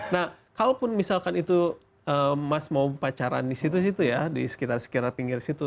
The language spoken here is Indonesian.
nah kalaupun misalkan itu mas mau pacaran di situ situ ya di sekitar sekira pinggir situ